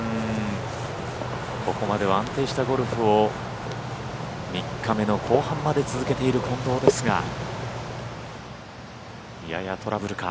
ここまで安定したゴルフを３日目の後半まで続けている近藤ですがややトラブルか。